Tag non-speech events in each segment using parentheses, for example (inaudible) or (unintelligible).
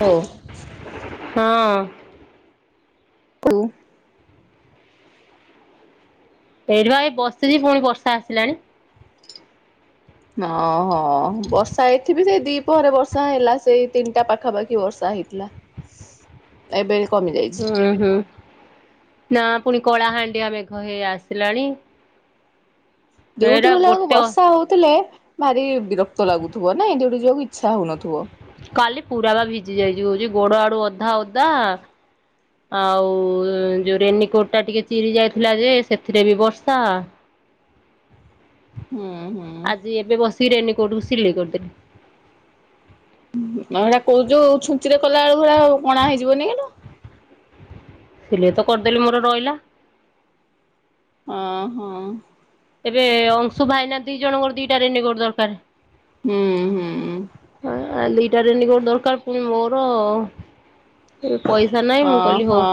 ହଁ। ହଁ। (inaudible) ଏଇଠି ବା ହେଇ ବସିଛି ପୁଣି ବର୍ଷା ଆସିଲାଣି। ହଁ ହଁ, ବର୍ଷା ହେଇଥିବି ଯଦି ପରେ ବର୍ଷା ହେଲା ସେଇ ତିନିଟା ପାଖାପାଖି ବର୍ଷା ହେଇଥିଲା। ଏବେ କମି ଯାଇଛି। ହୁଁ ହୁଁ ନା ପୁଣି କଳାହାଣ୍ଡିଆ ମେଘ ହେଇ ଆସିଲାଣି। ଡ୍ୟୁଟି ଏଇଟା ଗଲା ବେଳକୁ ଗୋଟେ ବର୍ଷା ହଉଥିଲେ ଭାରି ବିରକ୍ତ ଲାଗୁଥିବ ନାଇଁ? ଯୋଉଠି ଯିବାକୁ ଇଚ୍ଛା ହଉନଥିବ। କାଲି ପୁରା ବା ଭିଜି ଯାଇଛି କଉଛି। ଗୋଡ଼ ଆଡୁ ଅଧା ଓଦା ଆଉ ଯୋଉ ରେନିକୋଟ୍ ଟା ଟିକେ ଚିରି ଯାଇଥିଲା ଯେ ସେଥିରେ ବି ବର୍ଷା। ହୁଁ, ହୁଁ। ଆଜି ଏବେ ବସିକି ରେନିକୋଟକୁ ସିଲେଇ କରିଦେଲି। ହଁ ସେଇଟା କୋଉ ଯୋଉ ଛୁଞ୍ଚିରେ କଲାବେଳକୁ ହେରା କଣା ହେଇଯିବନି ହେଇଗୁରା। ସିଲେଇ ତ କରିଦେଲି ମୋର ରହିଲା। ଅ, ହଁ। ଏବେ ଅଂଶୁ ଭାଇନା ଦି ଜଣଙ୍କର ଦିଟା ରେନିକୋଟ ଦରକାର। ହୁଁ, ହୁଁଁ। ଅ ଆଁ ଦିଟା ରେନିକୋଟ ଦରକାର ପୁଣି ମୋର ଉଁ ପଇସା ନାଇଁ ମୁଁ କହଲି ହଉ। ଓହୋ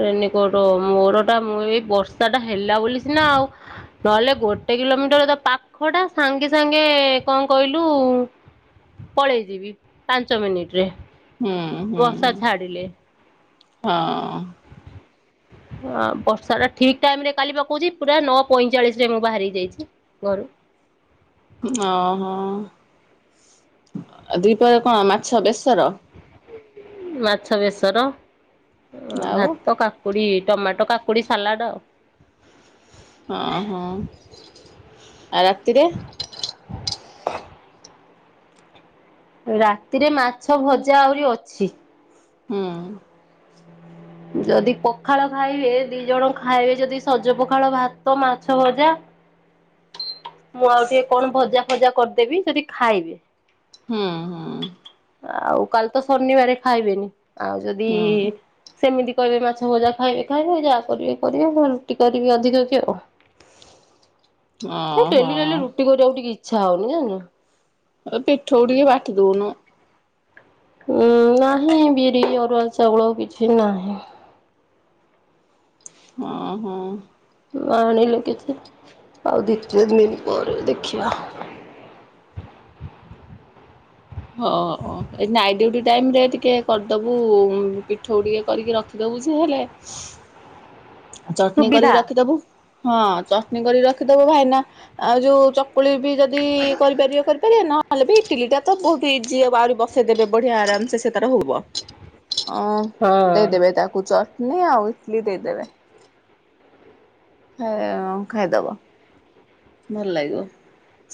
ରେନକୋଟ ମୋର ଟା ମୁଁ ଏଇ ବର୍ଷା ଟା ହେଲା ବୋଲି ସିନା ଆଉ ନହେଲେ ଗୋଟେ କିଲୋମିଟର ତ ପାଖ ଟା ସାଙ୍ଗେ ସାଙ୍ଗେ କଣ କହିଲୁ ଯୋଉ ପଳେଇ ଯିବି ପାଞ୍ଚ ମିନିଟ୍ ରେ। ହୁଁ ହୁଁ। ବର୍ଷା ଛାଡ଼ିିଲେ। ହଁ। ଆଉ ବର୍ଷା ଟା ଠିକ୍ ଟାଇମ୍ ରେ କାଲି ପା କହୁଛି ପୁରା ନଅ ପଇଁଚାଳିଶ ରେ ମୁଁ ବାହାରିକି ଯାଇଛି ଘରୁ। ହଁ, ହଁ ଆଉ ଦିପହରେ କଣ ମାଛ ବେସର? ମାଛ ବେସର ଆଉ ହଁ ଭାତ, କାକୁଡ଼ି, ଟମାଟୋ, କାକୁଡ଼ି, ସାଲାଡ଼ ଆଉ। ହଁ, ହଁ ଆଉ ରାତିରେ? ରାତିରେ ମାଛ ଭଜା ଆହୁରି ଅଛି। ହୁଁ। ଯଦି ପଖାଳ ଖାଇବେ ଦି ଜଣ ଖାଇବେ ଯଦି ସଜ ପଖାଳ, ଭାତ, ମାଛ ଭଜା (inaudible) ମୁଁ ଆଉ ଟିକେ କଣ ଭଜା ଫଜା କରିଦେବି ଯଦି ଖାଇବେ। ହୁଁ। ହୁଁ ଆଉ କାଲି ତ ଶନିବାରେ ଖାଇବେନି ଆଉ ଯଦି ହୁଁ ସେମିତି କରିବେ ମାଛ ଭଜା ଖାଇବେ ଖାଇବେ ଯାହା କରିବେ କରିବେ ରୁଟି କରିବି ଅଧିକ କି ଆଉ। (inaudible) ହେ ଓହୋ। ଡେଲି ଡେଲି ରୁଟି କରିବାକୁ ଟିକେ ଇଚ୍ଛା ହଉନି ଜାଣିଛୁ। ଏ ପିଠଉ ଟିକେ ବାଟି ଦଉନୁ। ଉଁ ନାହିଁ ବିରି ଅରୁଆ ଚାଉଳ କିଛି ନାହିଁ। ଅ ହିଁ। ମୁଁ ଆଣନି କିଛି ଆଉ ଦି ତିନି ଦିନି ଦେଖିଆ (inaudible) ହ ହ। ଏଇ ନାଇଟ୍ ଡିଉଟି ଟାଇମ୍ ରେ ଟିକେ କରିଦବୁ ପିଠଉ ଟିକେ କରିକି ରଖିଦବୁ ଯେ ହେଲେ (inaudible) ଚଟଣି କରିକି ସୁବିଧା। ରଖିଦବୁ ହଁ ଚଟଣି କରିକି ରଖିଦବୁ ଭାଇନା ଆଉ ଯୋଉ ଚ ଚକୁଳି ବି ଯଦି କରିପାରିବେ କରିପାରିବେ ନହେଲେ ବି ଇଟିଲିଟା ତ ବହୁତ ଇଯି ହବ ଆହୁରି ବସେଇ ଦେବେ ବଢିଆ ଆରାମ ସେ ସେ ତାର ହବ ହଁ ଦେଇଦେବେ ତାକୁ ଚଟନୀ ଆଉ ଇଟଲି ଦେଇଦେବେ। ହେ ଅ ଖାଇଦବ। ଭଲ ଲାଗିବ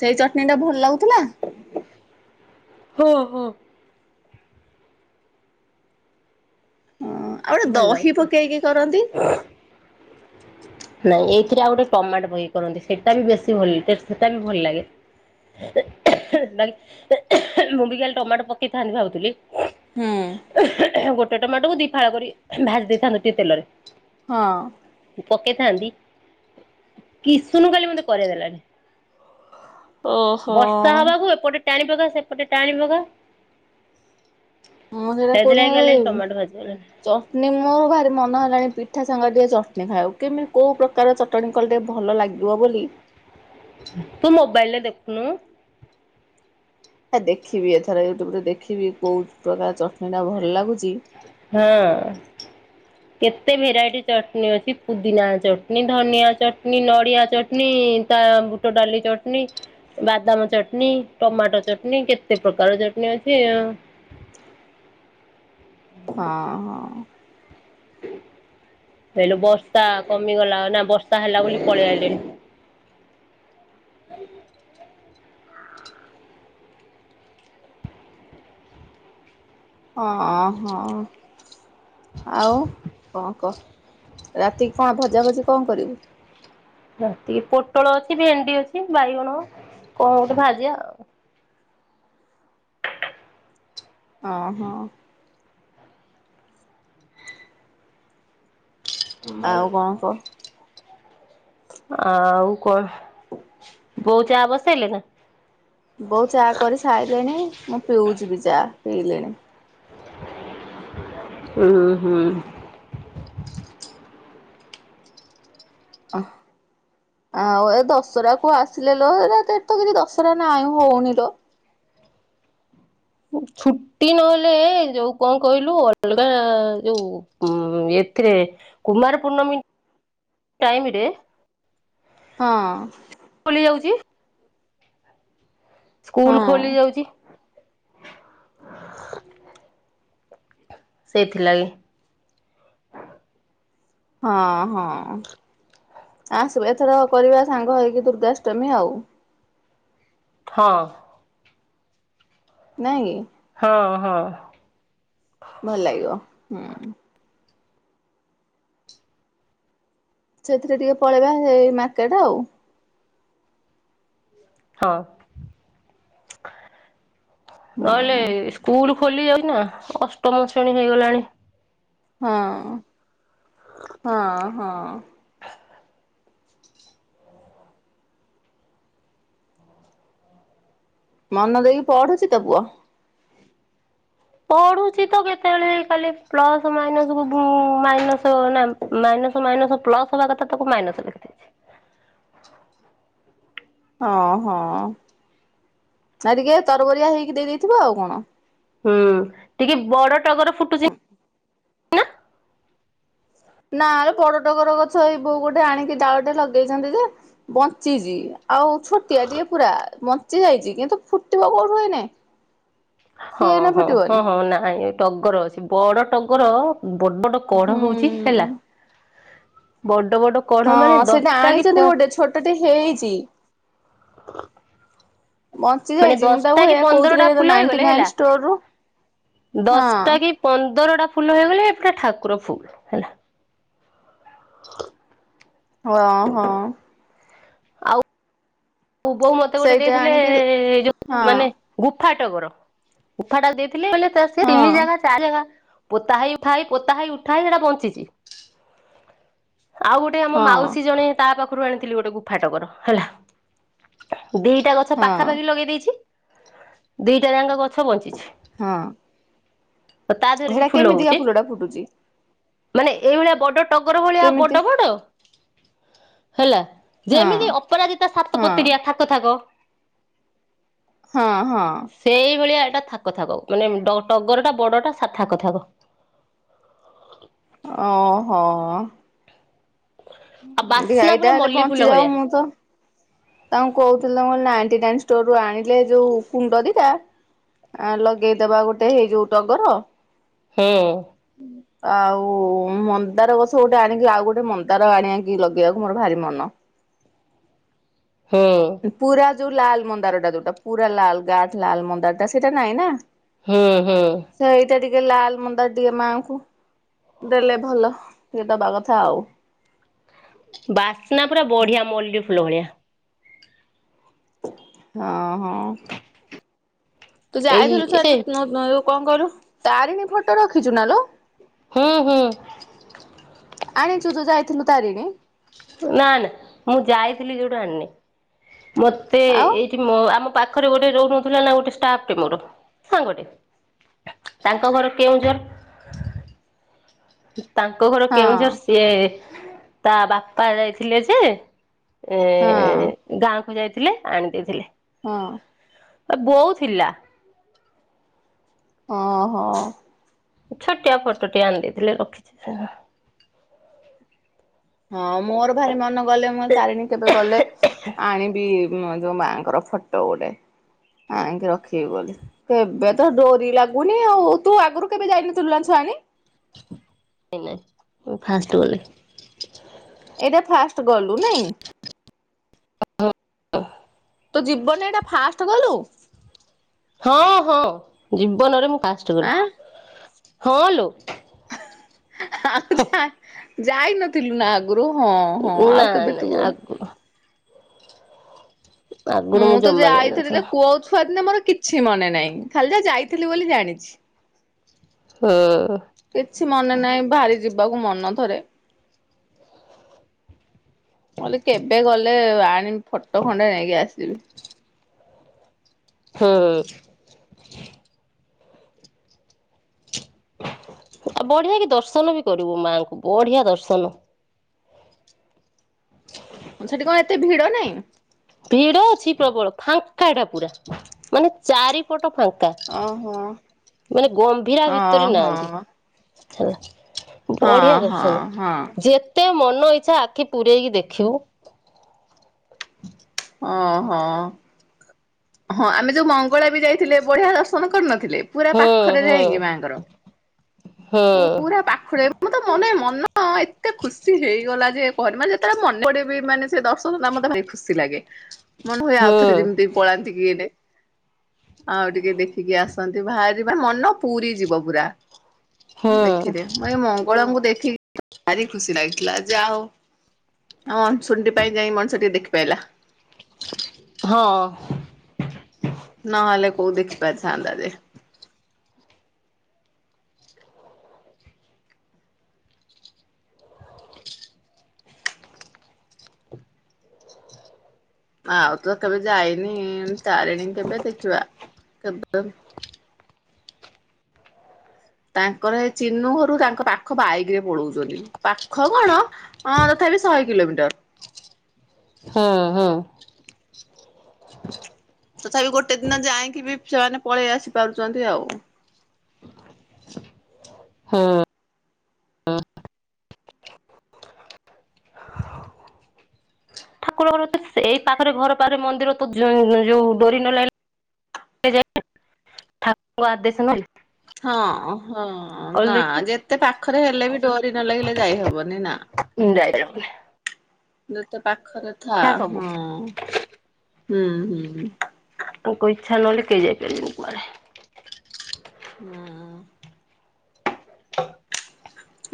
ସେଇ ଚଟଣି ଟା ଭଲ ଲାଗୁଥିଲା? ହଁ, ହଁ। ହଁ ଆଉ ଗୋଟେ ଭଲ ଦହି ଲାଗୁଥିଲା। ପକେଇକି କରନ୍ତି। ନାଇଁ ଏଇଥିରେ ଆଉ ଗୋଟେ ଟମାଟ ପକେଇକି କରନ୍ତି ସେଇଟା ବି ବେଶୀ ଭଲ ସେଟା ବି ଭଲ ଲାଗେ। (unintelligible) ଡ଼ାଲ୍ ମୁଁ ବି ଖାଲି ଟମାଟୋ ପକେଇଥାନ୍ତି ଭାବୁଥିଲି ହୁଁ ଗୋଟେ ଟମାଟୋକୁ ଦି ଫାଳ କରି ଭାଜି ଦେଇଥାନ୍ତୁ ଟିକେ ତେଲରେ। ହଁ। ପକେଇଥାନ୍ତି। ଓହୋ। ବର୍ଷା ହବାକୁ ଏପଟେ ଟାଣି ପକା ସେପଟେ ଟାଣି ପକା। ସେଇଥିଲାଗି କାଲି ଟମାଟୋ ଭାଜି ପାଇଲାନି। ଚଟ୍ଣି ମୋର ଭାରି ମନ ହେଲାଣି ପିଠା ସାଙ୍ଗେ ଟିକେ ଚଟ୍ ହେ ଭାଇ କେମିତି କୋଉ ପ୍ରକାର ଚଟଣି କଲେ ଭଲ ଲାଗିବ ବୋଲି ତୁ ମୋବାଇଲରେ ଦେଖନୁ। ଏ ଦେଖିବି ଏଥର ୟୁଟ୍ୟୁବରେ ଦେଖିବି କୋଉ ପ୍ରକାର ଚଟଣିଟା ଭଲ ଲାଗୁଛି। ହଁ। କେତେ ଭେରାଇଟି ଚଟ୍ଣି ଅଛି ପୁଦିନା ଚଟ୍ଣି ଧନିଆ ଚଟ୍ଣି ନଡ଼ିଆ ଚଟ୍ଣି ତା ବୁଟ ଡାଲି ଚଟ୍ଣି। ବାଦାମ ଚଟ୍ଣି ଟମାଟୋ ଚଟନୀ କେତେ ପ୍ରକାର ଚଟଣିୀ ଅଛି ଆଉ। ହଁ ହଁ। ହେଇଲୋ, ବର୍ଷା କମିଗଲା ନା? ବର୍ଷା ହେଲା ବୋଲି ପଳେଇ ଆଇଲେଣି। ହଁ ହଁ, ଆଉ କଣ କ? ରାତିିକି କଣ ଭଜା ଭଜି କଣ କରିବୁ? ରାତିକି ପୋଟଳ ଅଛି, ଭେଣ୍ଡି ଅଛି, ବାଇଗଣ କଣ ଗୋଟେ ଭାଜିବା ଆଉ? ଅଁ ହଁ। ଆଉ କଣ କହ? ଆଉ କଣ? ବୋଉ ଚା କରି ସାଇଲେଣି। ମୁଁ ପିଉଛି ବିି ଚା। ପିଇଲିଣି। ଉଁ ହୁଁ। ଅହଃ। ଆଉ ଏ ଦଶହରାକୁ ଆସିଲେ ଲୋ। ଏଟା ତ ଏଠି କିଛି ଦଶହରା ନାହିଁ, ହଉନି ଲୋ। ଛୁଟି ନ ହେଲେ ଯୋଉ କଣ କହିଲୁ, ଅଲଗା ଯୋଉ ଏଥିରେ କୁମାର ପୂର୍ଣ୍ଣମୀ ଟାଇମରେ ହଁ। ଖୋଲି ଯାଉଛି। ହଁ ସ୍କୁଲ ଖୋଲି ଯାଉଛି। ସେଇଥିଲାଗି। ହଁ ହଁ। ହଁ। ନାଇଁ। ହଁ ହଁ। ଭଲ ଲାଗିବ। ହୁଁ। ସେଥିରେ ଟିକେ ପଳେଇବା ହେଇ ମାର୍କେଟ ଆଉ। ହଁ। ହୁଁ ସ୍କୁୁଲ ଖୋଲି ଯାଉଚିନା। ଅଷ୍ଟମ ଶ୍ରେଣୀ ହେଇଗଲାଣି। ହଁ ହଁ ହଁ। ମନ ଦେଇ କି ପଢୁଛି ତୋ ପୁଅ। ପଢୁଛି ତ କେତେବେଳେ ଖାଲି ପ୍ଲସ୍ ମାଇନସକୁ ସବୁ ମାଇନସ୍ ନାମ୍ ମାଇନସ୍ ମାଇନସ୍ ପ୍ଲସ୍ ହବା କଥା, ତାକୁ ମାଇନସ୍ ଲେଖିଥିବେ। ହଁ ହଁ ନାଇ ଟିକେ ତରବରିଆ ହେଇକି ଦେଇ ଦେଇଥିବେ ଆଉ କଣ। ହୁଁ ଟିକେ ବଡ ଟଗର ଫୁଟୁଛି। ନା ଲୋ ବଡଟଗର ଗଛ ଏଇ ବୋଉ ଗୋଟେ ଆଣିକି ଡାଳଟେ ଲଗେଇଛନ୍ତି ଯେ ବଞ୍ଚିଛି ଆଉ ଛୋଟିଆ ଟିଏ ପୁରା ବଞ୍ଚି ଯାଇଛି କିନ୍ତୁ ଫୁଟିବ କୋଉଠୁ ଏଇନେ। (inaudible) ହଁ ହଁ ହଁ ଫୁଟିବନି ହଁ ନାଇଁ ଏ ଟଗର ଅଛି ବଡ ଟଗର ବଡ ବଡ କଢ ହଉଛି ହୁଁ। ହେଲା ବଡ ବଡ କଢ ହଁ ମାନେ ସେଟା ଦଶଟା କି ଆଣିଛନ୍ତି ପ ଗୋଟେ ଛୋଟଟେ ହେଇଛି। ବଞ୍ଚି ମାନେ ଯାଇଛି ମୁଁ ଦଶଟା ତାକୁ କି ଏଆ ପନ୍ଦରଟା କହୁଥିଲି (unintelligible) ଫୁଲ ନାଇଟି ହେଇଗଲେ ହେଲା ନାଇନ୍ ଷ୍ଟୋର ରୁ ହଁ। ପନ୍ଦର ଟା ଫୁଲ ହେଇଗଲେ ଏକା ଠାକୁର ଫୁଲ ହେଲା। ହଁ ହଁ। ପୁ ବୋଉ ମତେ ଗୋଟେ ସେଇଟା ଦେଇଥିଲେ ଆଣିକି ଏ ହଁ ଯୋଉ ମାନେ ଗୁଫାଟଗର ଗୁଫାଟା ଦେଇଥିଲେ କହିଲେ ସେ ହଁ ତିନି ଜାଗା ଚାଲେବା ପୋତା ହେଇ ଉଠା ହେଇ ପୋତା ହେଇ ଉଠା ହେଇ ସେଇଟା ବଞ୍ଚିଛି। ଆଉ ଗୋଟେ ଆମ ହଁ ମାଉସୀ ଜଣେ ତା ପାଖରୁ ଆଣିଥିଲି ଗୋଟେ ଗୁଫାଟଗର ହେଲା। ଦିଟା ଗଛ ହଁ ପାଖାପାଖି ଲଗେଇ ଦେଇଛି ଦିଟା ଯାଙ୍କ ଗଛ ବଞ୍ଚିଛି। ହଁ। ଆ ତା ଦେହରେ ବି ସେଇଟା ଫୁଲ କେମିତିକା ହଉଛି। ଫୁଲଟା ଫୁଟୁଛି ମାନେ ଏଇଭଳିଆ ବଡ ଟଗର ଭଳିଆ କେମିତି ବଡ ବଡ ହେଲା। ହଁ ଯେମିତି ଅପରାଜିତା ହଁ। ସାତପତିିରିଆ ଥାକ ଥାକ। ହଁ ହଁ। ସେଇଭଳିଆ ଏଇଟା ଥାକ ଥାକ ମାନେ ଡ ଟଗରଟା ବଡଟା ଥାକ ଥାକ। ଅ ହ। ଆଉ ଭି ବାସ୍ନା ପୁରା ଆଇଟା ହେଲେ ମଲ୍ଲି ଫୁଲ ବଞ୍ଚି ଯାଉ ଭଳିଆ ମୁଁ ତ ତାଙ୍କୁ କହୁଥିଲି ତ ନାଇନଟି ନାଇନ ଷ୍ଟୋରରୁ ଆଣିଲେ ଯୋଉ କୁଣ୍ଡ ଦିଟା ଆ ଲଗେଇଦବା ଗୋଟେ ହେଇ ଯୋଉ ଟଗର। ହୁଁ। ହୁଁ। ଆଉ ମନ୍ଦାର ଗଛ ଗୋଟେ ଆଣିକି ଆଉ ଗୋଟେ ମନ୍ଦାର ଆଣିକି ଲଗେଇବାକୁ ମୋର ଭାରି ମନ। ହୁଁ। ପୁରା ଯୋଉ ଲାଲ ମନ୍ଦାରଟା ଯୋଉଟା ପୁରା ଲାଲ ଗାଢ ଲାଲ ମନ୍ଦାର ଟା ସେଇଟା ନାଇଁ ନା। ହୁଁ ହୁଁ। ସେଇଟା ଟିକେ ଲାଲ ମନ୍ଦାର ଦିଏ ମାଆଙ୍କୁ। ଦେଲେ ଭଲ ଟିକେ ଦବା କଥା ଆଉ। ବାସ୍ନା ପୁରା ବଢିଆ ମଲ୍ଲୀ ଫୁଲ ଭଳିଆ। ହଁ ହଁ। ତୁ ଯାଇଥିଲୁ ସେ (unintelligible) କଣ କହିଲୁ ତାରିଣୀ ଫଟୋ ରଖିଛୁ ନା ଲୋ। ହୁଁ ହୁଁ। ଆଣିଚୁ ତୁ ଯାଇଥିଲୁ ତାରିଣୀ? ନା ନା ମୁଁ ଯାଇଥିଲି ଯୋଉଠୁ ଆଣିନି ମତେ ଆଉ ଏଇ କି ମୋ ଆମ ପାଖରେ ଗୋଟେ ରହୁନଥିଲା ନା ଗୋଟେ ଷ୍ଟାଫ ଟେ ମୋର ସାଙ୍ଗଟେ। ତାଙ୍କ ଘର କେଉଁଝର। ତାଙ୍କ ଘର ହଁ କେଉଁଝର ସିଏ ତା ବାପା ଯାଇଥିଲେ ଯେ ଏ ହଁ ଗାଁକୁ ଯାଇଥିଲେ ଆଣି ଦେଇଥିଲେ। ହଁ। ବୋଉ ଥିଲା। ଓହୋ। ଛୋଟିଆ ଫଟଟିଏ ଆଣି ଦେଇଥିଲେ ରଖିଛି। ହଁ ମୋର ଭାରି ମନ ଗଲେ ମୁଁ ତାରିଣୀ କେବେ ଗଲେ ଆଣିବି। ମୁଁ ଯୋଉ ମାଆଙ୍କର ଫଟ ଗୋଟେ ଆଣିକି ରଖିବି ବୋଲି। କେବେ ତ ଡୋରି ଲାଗୁନି ଆଉ ତୁ ଆଗରୁ କେବେ ଯାଇନଥିଲୁ ତୁ ଛୁଆ ଏଳେ। ସେ ନାଇଁ ମୁଁ ଫାଷ୍ଟ ଗଲି। ଏଇଟା ଫାଷ୍ଟ ଗଲୁ ନାଇଁ? ତୋ ଜୀବନରେ ଏଇଟା ଫାଷ୍ଟ ଗଲୁ। ହଁ ହଁ ଜୀବନରେ ମୁଁ ଫାଷ୍ଟ ଗଲି ଆଁ ହଁ ଲୋ। ଆଉ ଯା ଯାଇନ ଥିଲୁ ନା ଆଗରୁ ହଁ ହଁ ଆଉ ନାଇଁ କେବେ ନାଇଁ ତୁ ଗଲୁ। ଆଗରୁ ଆଗରୁ ମୁଁ ତ ଜମା ଯାଇଥିଲି ଯାଇନଥିଲି। ଯେ କୋଉ ଛୁଆ ଦିନେ ମୋର କିଛି ମନେ ନାହିଁ ଖାଲି ଯାହା ଯାଇଥିଲି ବୋଲି ଜାଣିଛି। ଓହୋ। କିଛି ମନେ ନାହିଁ ଭାରି ଯିବାକୁ ମନଥରେ। ମୁଁ କହିଲି କେବେ ଗଲେ ଆଣିବି ଫଟ ଖଣ୍ଡେ ଯାଇକି ଆସିବି। ହଉ। ଆଉ ବଢିଆ କି ଦର୍ଶନ ବି କରିବୁ ମାଙ୍କୁ ବଢିଆ ଦର୍ଶନ। ସେଠି କଣ ଏତେ ଭିଡ ନାହିଁ। ଭିଡ ଅଛି ପ୍ରବଳ ଫାଙ୍କାଟା ପୁରା ମାନେ ଚାରିପଟ ଫାଙ୍କା ଓହୋ। ମାନେ ଗମ୍ଭୀରା ଭିତରେ ଓହୋ ନାହାନ୍ତି। ହେଲା ହଁ ବଢିଆ ହଁ ଦର୍ଶନ ହଁ ଯେ ଯେତେ ମନ ଇଚ୍ଛା ଆଖି ପୁରେଇକି ଦେଖିବୁ। ଅଁ ହଁ। ହଁ ଆମେ ଯୋଉ ମଙ୍ଗଳା ବି ଯାଇଥିଲେ ବଢିଆ ଦର୍ଶନ କରିନଥିଲେ। ପୁରା ହୁଁ ପାଖରେ ହୁଁ। ଯାଇକି ମାଙ୍କର ହୁଁ ପୁରା ପାଖରେ ମତେ ମନେ ମନ ଏତେ ଖୁସି ହେଇଗଲା ଯେ କହନି ମାନେ ଯେତେବେଳେ ମନେ ପଡେ ବି ମାନେ ସେ ଦର୍ଶନ ତା ମତେ ଭାଇ ଖୁସି ଲାଗେ। ମନେ ହୁଏ ଆଉ ହୁଁ ଥରେ ଯେମିତି ପଳାନ୍ତିକି ଏଇନେ। ଆଉ ଟିକେ ଦେଖିକି ଆସନ୍ତି ବାହାରିବେ ମନ ପୁରି ଯିବ ପୁରା। ହୁଁ ଦେଖିଲି ମୁଁ ଏଇ ମଙ୍ଗଳାଙ୍କୁ ଦେଖିକି ଭାରି ଖୁସି ଲାଗିଥିଲା ଯା ହଉ। ହଁ ଅଛନ୍ତି ପାଇଁ ଯାଇ ମଣିଷ ଟିକେ ଦେଖିପାଇଲା। ହଁ। ନହେଲେ କୋଉ ଦେଖି ପାରିଥାନ୍ତା ଯେ। ଆଉ ତ କେବେ ଯାଇନି ତାରିଣୀ କେବେ ଦେଖିବା କେବେ। ତାଙ୍କର ହେ ଚିନୁ ଘରୁ ତାଙ୍କ ପାଖ ବାଇକରେ ପଳଉଛନ୍ତି ପାଖ କଣ ହଁ ତଥାପି ଶହେ କିଲୋମିଟର। ହଁ ହଁ ତଥାପି ବି ଗୋଟେ ଦିନ ଯାଇକି ବି ସେମାନେ ପଳେଇ ଆସି ପାରୁଚନ୍ତି ଆଉ। ହୁଁ। କଲ୍ କର ମତେ। ଏଇ ପାଖରେ ଘର ପାଖରେ ମନ୍ଦିର ପୋତୁଚନ୍ତି ଯୋଉ ଯୋଉ ଡୋରି ନ ଲଗି ସେ ଯାଇ ଠାକୁରଙ୍କ ଆଦେଶ ନହେଲେ ହଁ ହଁ ନା କଲେ କି ଯେତେ ପାଖରେ ହେଲେ ବି ଡୋରି ନ ଲାଗିଲେ ଯାଇହବନି ନା। Indirect. ଯେତେ ପାଖରେ ଥା ଯାହା ହଁ ସବୁ ହୁଁ ହୁଁ ତାଙ୍କ ଇଚ୍ଛା ନହେଲେ କେହି ଯାଇପାରିବେନି କୁଆଡ଼େ। ହୁଁ।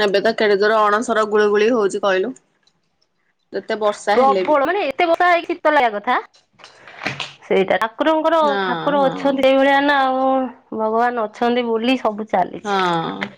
ଏବେ ତ କେଡେ ଜୋର ଅଣସର ଗୁଳୁଗୁଳି ହଉଛି କହିଲୁ। ଯେତେ ବର୍ଷ ପ୍ରବଳ ମାନେ ଏତେ ବର୍ଷା ହେଇକି ଶିତ ଲାଗିବା କଥା ସେଇଟା ଠାକୁରଙ୍କର ହଁ ଠାକୁର ହଁ। ଅଛନ୍ତି ଏଇଭଳିଆ ନା ଆଉ ଭଗବାନ ଅଛନ୍ତି ବୋଲି ସବୁ। ଚାଲିଛି। ହଁ।